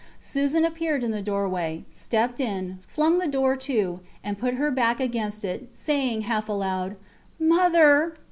Susan appeared in the doorway, stepped in, flung the door to, and put her back against it, saying, half aloud Mother!